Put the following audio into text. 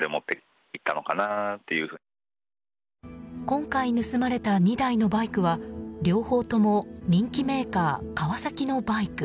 今回盗まれた２台のバイクは両方とも、人気メーカーカワサキのバイク。